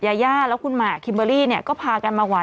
ยายาแล้วคุณมาร์ค็ินเบอลลีเนี้ยก็พากันมาหวาน